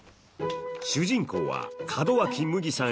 主人公は門脇麦さん